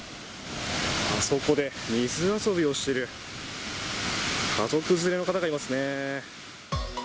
あそこで水遊びをしている、家族連れの方がいますね。